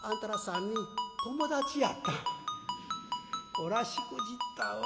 こらしくじったわ。